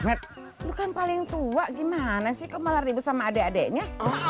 matt lu kan paling tua gimana timbalhhhh ribu sama ade ade'nya